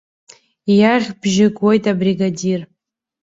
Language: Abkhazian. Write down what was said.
Иаӷьбжьы гоит абригадир.